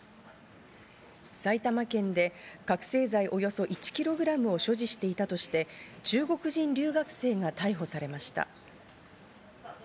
埼玉県で覚醒剤およそ１キログラムを所持していたとして、中国人留学生が逮捕されました。